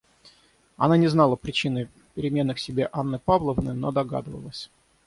Она не знала причины перемены к себе Анны Павловны, но догадывалась.